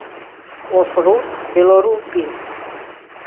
Ошруш — Белоруссий.